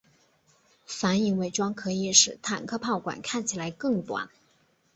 反影伪装可以使坦克炮管看起来更短。